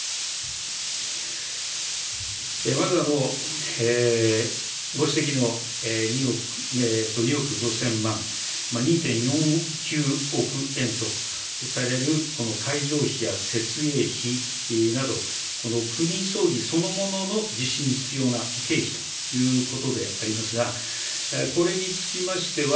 まず、ご指摘の２億５０００万、２．４９億円とされる、この会場費や設営費など、国葬儀そのものの実施に必要な経費ということでありますが、これにつきましては、